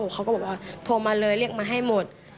เขาก็บอกว่าโทรมาเลยเรียกมาให้หมด